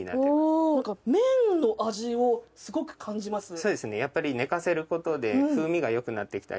そうですねやっぱり寝かせることで風味が良くなってきたり。